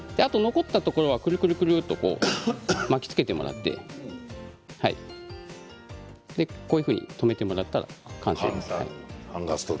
残ったところは、くるくると巻きつけてもらって留めてもらったら完成です。